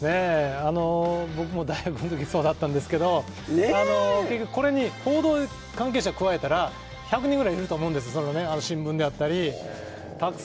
僕も大学のときそうだったんですけど結局これに報道関係者を加えたら１００人ぐらいいると思うんです、新聞であったり。